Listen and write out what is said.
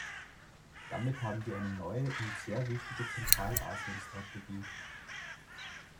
Damit haben wir eine neue und sehr wichtige Zentralasienstrategie.